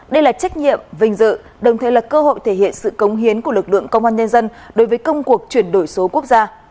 đây là trách nhiệm vinh dự đồng thời là cơ hội thể hiện sự cống hiến của lực lượng công an nhân dân đối với công cuộc chuyển đổi số quốc gia